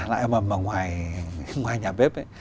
lại ngoài nhà bếp